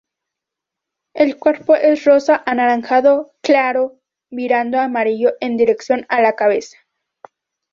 El cuerpo es rosa-anaranjado claro, virando a amarillo en dirección a la cabeza.